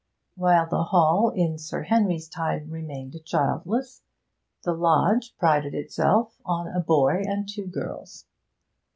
While the Hall, in Sir Henry's time, remained childless, the lodge prided itself on a boy and two girls.